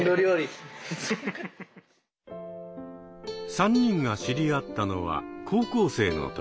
３人が知り合ったのは高校生の時。